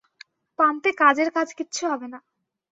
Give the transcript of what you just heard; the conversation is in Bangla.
পাম্পে কাজের কাজ কিচ্ছু হবে না।